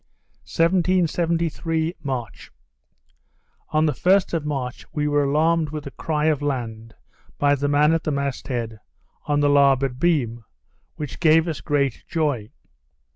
1773 March On the 1st of March we were alarmed with the cry of land by the man at the mast head, on the larboard beam; which gave us great joy.